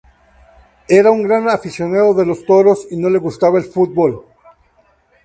Era un gran aficionado de los toros y no le gustaba el fútbol.